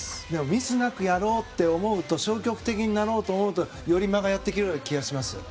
ミスなくやろうと思うと消極的にやろうと思うとより魔がやってくる気がします。